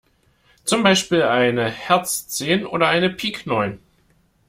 Zum Beispiel eine Herz zehn oder eine Pik neun.